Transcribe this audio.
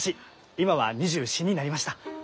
今は２４になりました。